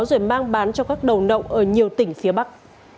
rồi mang bán cho các đầu nậu ở nhiều tỉnh phía bắc